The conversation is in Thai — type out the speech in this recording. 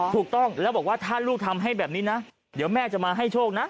ถูกต้องแล้วบอกว่าถ้าลูกทำให้แบบนี้นะเดี๋ยวแม่จะมาให้โชคนะ